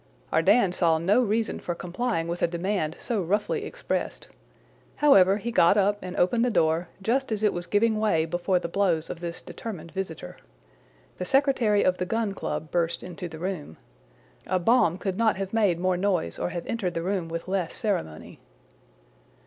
Ardan saw no reason for complying with a demand so roughly expressed. However, he got up and opened the door just as it was giving way before the blows of this determined visitor. The secretary of the Gun Club burst into the room. A bomb could not have made more noise or have entered the room with less ceremony.